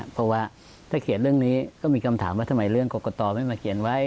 เพราะว่าถ้าเขียนเรื่องนี้ก็มีคำถามว่าทำไมเรื่องกรกตไม่มาเขียนไว้